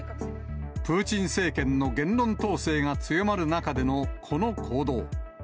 プーチン政権の言論統制が強まる中でのこの行動。